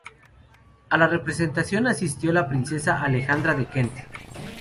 A la representación asistió la Princesa Alejandra de Kent.